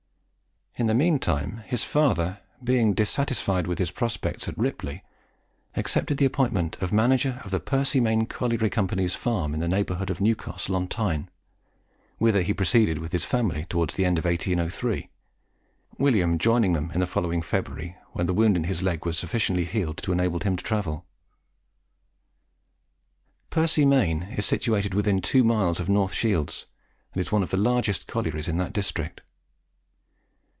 In the mean time his father, being dissatisfied with his prospects at Ripley, accepted the appointment of manager of the Percy Main Colliery Company's farm in the neighbourhood of Newcastle on Tyne, whither he proceeded with his family towards the end of 1803, William joining them in the following February, when the wound in his leg had sufficiently healed to enable him to travel. Percy Main is situated within two miles of North Shields, and is one of the largest collieries in that district.